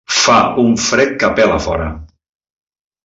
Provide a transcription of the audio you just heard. Fa un fred que pela a fora!